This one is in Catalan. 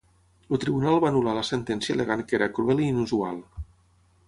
El tribunal va anul·lar la sentència al·legant que era "cruel i inusual".